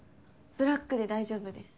ブラックで大丈夫です。